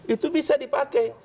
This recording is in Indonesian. itu bisa dipakai